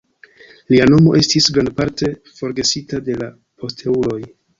Lia nomo estis grandparte forgesita de la posteuloj.